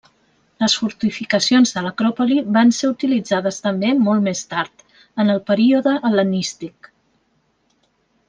Les fortificacions de l'acròpoli van ser utilitzades també molt més tard, en el període hel·lenístic.